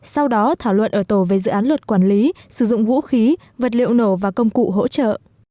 sau đó thảo luận ở tổ về dự án luật quản lý sử dụng vũ khí vật liệu nổ và công cụ hỗ trợ